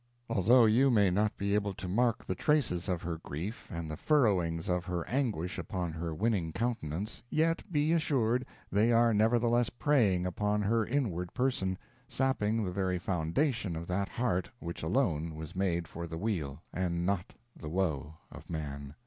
Although you may not be able to mark the traces of her grief and the furrowings of her anguish upon her winning countenance, yet be assured they are nevertheless preying upon her inward person, sapping the very foundation of that heart which alone was made for the weal and not the woe of man.